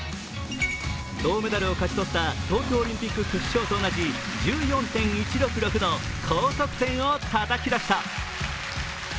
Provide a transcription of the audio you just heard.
銅メダルを勝ち取った東京オリンピック決勝と同じ１４．１６６の高得点をたたき出した。